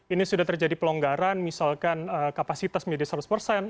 ini sudah terjadi pelonggaran misalkan kapasitas menjadi seratus persen